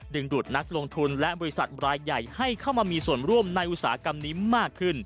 ดูดนักลงทุนและบริษัทรายใหญ่ให้เข้ามามีส่วนร่วมในอุตสาหกรรมนี้มากขึ้น